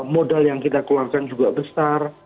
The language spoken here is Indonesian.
modal yang kita keluarkan juga besar